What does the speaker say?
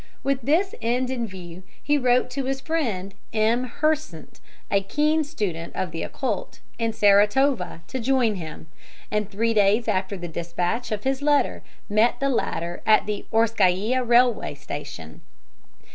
With this end in view he wrote to his friend M. Hersant a keen student of the Occult in Saratova, to join him, and three days after the despatch of his letter met the latter at the Orskaia railway station.